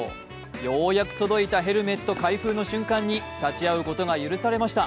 ようやく届いたヘルメット開封の瞬間に立ち会うことが許されました。